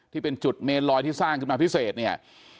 ที่เป็นจุดเมนลอยที่สร้างขึ้นมาพิเศษเนี่ย